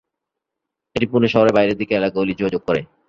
এটি পুণে শহরের বাইরের দিকের এলাকাগুলি যোগাযোগ করে।